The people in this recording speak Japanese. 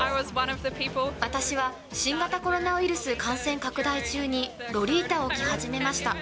私は新型コロナウイルス感染拡大中にロリータを着始めました。